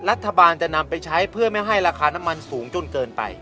รัฐบาลจะนำไปใช้เพื่อไม่ให้ราคาน้ำมันสูงจนเกินไป